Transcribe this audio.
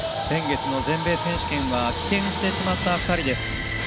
先月の全米選手権は棄権してしまった２人です。